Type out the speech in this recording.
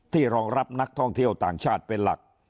รองรับนักท่องเที่ยวต่างชาติเป็นหลัก